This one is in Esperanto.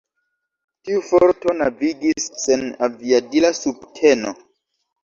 Tiu forto navigis sen aviadila subteno.